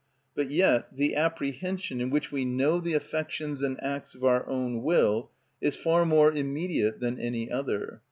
But yet the apprehension, in which we know the affections and acts of our own will, is far more immediate than any other.